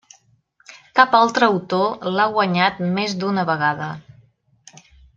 Cap altre autor l'ha guanyat més d'una vegada.